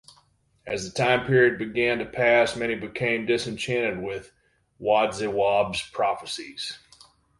As the time period began to pass, many became disenchanted with Wodziwob's prophecies.